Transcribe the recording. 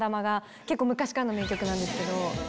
昔からの名曲なんですけど。